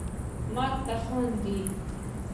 مرګ ته خاندي